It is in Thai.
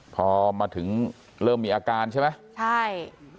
พอมาถึงเริ่มมีอาการใช่ไหมใช่